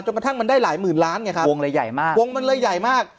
จนกระทั่งมันได้หลายหมื่นล้านไงครับวงมันเลยใหญ่มาก